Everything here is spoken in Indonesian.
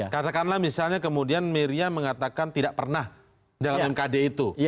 katakanlah misalnya kemudian miriam mengatakan tidak pernah dalam mkd itu